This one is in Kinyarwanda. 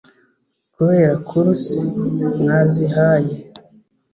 kubera course mwazihaye